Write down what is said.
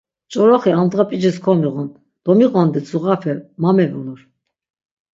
Ç̆oroxi amdğa p̆icis komiğun, domiqondit zuğape ma mevulur.